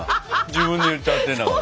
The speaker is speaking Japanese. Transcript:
自分で言っちゃってんだから。